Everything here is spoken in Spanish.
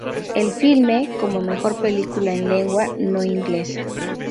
El filme, como mejor película en lengua no inglesa.